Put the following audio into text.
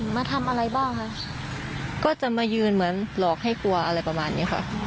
มาทำอะไรบ้างคะก็จะมายืนเหมือนหลอกให้กลัวอะไรประมาณนี้ค่ะ